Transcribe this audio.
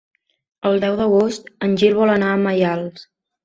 El deu d'agost en Gil vol anar a Maials.